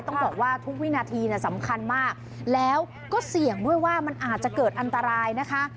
ต้องบอกว่าทุกวินาทีสำคัญมากแล้วก็เสี่ยงด้วยว่ามันอาจจะเกิดอันตรายนะคะ